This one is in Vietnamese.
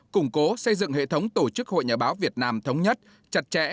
củng cố xây dựng hệ thống tổ chức hội nhà báo việt nam thống nhất chặt chẽ